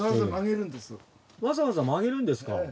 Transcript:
わざわざ曲げるんですか？